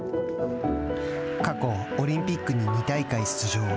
過去、オリンピックに２大会出場。